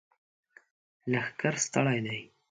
لښکر ستړی دی!